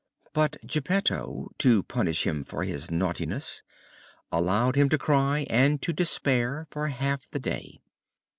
But Geppetto, to punish him for his naughtiness, allowed him to cry and to despair for half the day.